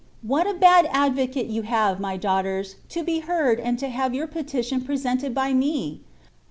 What a bad advocate you have, my daugh ters, to be heard and to have your petition presented by me